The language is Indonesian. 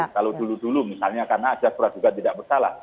kalau dulu dulu misalnya karena jasrah juga tidak bersalah